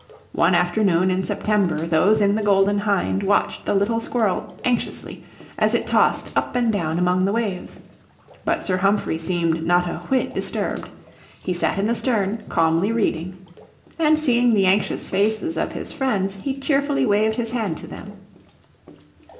One afternoon in September those in the Golden Hind watched the little Squirrel anxiously as it tossed up and down among the waves. But Sir Humphrey seemed not a whit disturbed. He sat in the stern calmly reading. And seeing the anxious faces of his friends he cheerfully waved his hand to them.